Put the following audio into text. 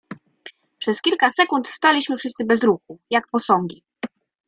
"Przez kilka sekund staliśmy wszyscy bez ruchu, jak posągi."